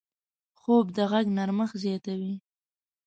خوب د غږ نرمښت زیاتوي